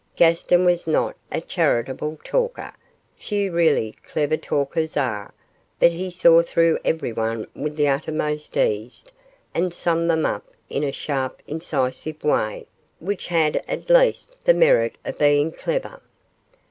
Gaston was not a charitable talker few really clever talkers are but he saw through everyone with the uttermost ease and summed them up in a sharp incisive way, which had at least the merit of being clever.